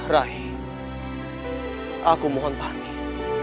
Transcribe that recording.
rai aku mohon panggil